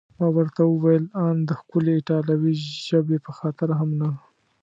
ما ورته وویل: ان د ښکلې ایټالوي ژبې په خاطر هم نه؟